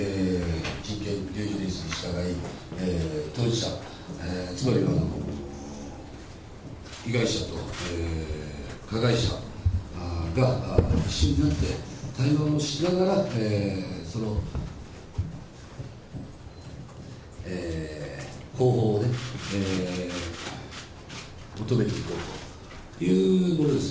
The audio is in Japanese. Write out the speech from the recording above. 特にに従い、当事者、つまりは被害者と加害者が一緒になって、対話をしながら方法を求めていこうというものです。